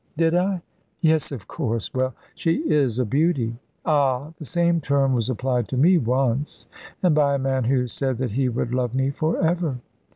"Did I? Yes, of course. Well, she is a beauty." "Ah! The same term was applied to me once and by a man who said that he would love me for ever."